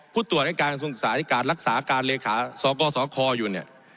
ผู้ตรวจในการส่งศึกษาที่การรักษาการเลขาสกสคอยู่เนี่ย